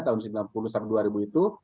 tahun sembilan puluh sampai dua ribu itu